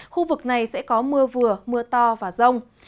khu vực này sẽ có mưa vừa mưa to và rông